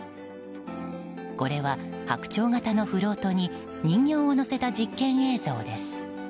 これは白鳥型のフロートに人形を乗せた実験映像です。